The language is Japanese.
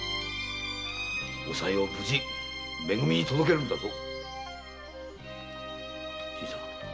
おさいを無事「め組」に届けるんだぞ。